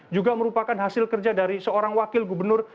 juga merupakan hasil kerja dari seorang wakil gubernur